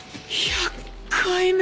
１００回目。